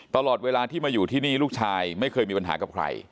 ตลอดเวลาที่มาอยู่ที่นี่ลูกชายไม่เคยมีปัญหากับใคร